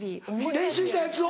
練習したやつを。